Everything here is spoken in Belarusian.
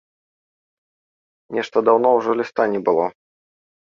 Нешта даўно ўжо ліста не было.